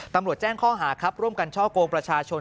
ตำรวจแจ้งข้อหาครับร่วมกันช่อกงประชาชน